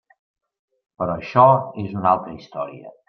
Però això és una altra història.